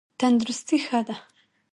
تندرستي ښه ده.